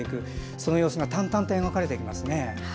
その様子が淡々と描かれていますね。